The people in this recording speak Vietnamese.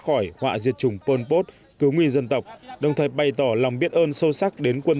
khỏi họa diệt chủng pol pot cứu người dân tộc đồng thời bày tỏ lòng biết ơn sâu sắc đến quân